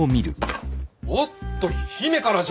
おっと姫からじゃ！